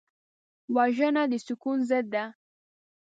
وژنه د سکون ضد ده